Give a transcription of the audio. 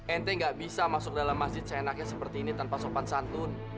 ente gak bisa masuk dalam masjid seenaknya seperti ini tanpa sopan santun